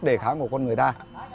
đề kháng của con người ta